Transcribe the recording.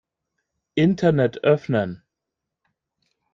Internet öffnen.